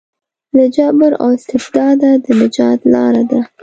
له جبر او استبداده د نجات لاره ده.